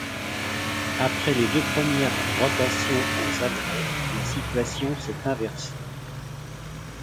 Après les deux premières rotations aux agrès, la situation s'est inversée.